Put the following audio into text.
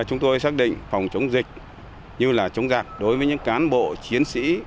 chúng tôi xác định phòng chống dịch như là chống giặc đối với những cán bộ chiến sĩ